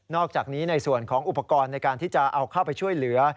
อกจากนี้ในส่วนของอุปกรณ์ในการที่จะเอาเข้าไปช่วยเหลือ